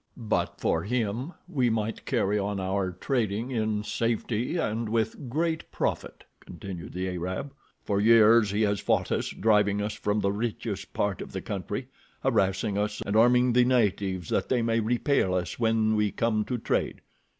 "But for him we might carry on our 'trading' in safety and with great profit," continued the Arab. "For years he has fought us, driving us from the richest part of the country, harassing us, and arming the natives that they may repel us when we come to 'trade.